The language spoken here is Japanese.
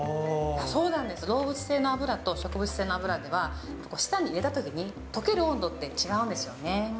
そうなんです、動物性の脂と植物性の油では、舌に当たったときに溶ける温度って違うんですよね。